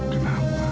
tidak akan berlahut